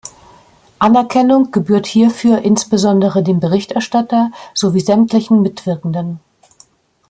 Anerkennung gebührt hierfür insbesondere dem Berichterstatter sowie sämtlichen Mitwirkenden.